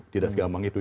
tidak segampang itu